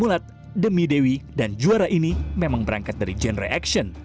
mulat demi dewi dan juara ini memang berangkat dari genre action